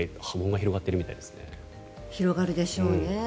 広がるでしょうね。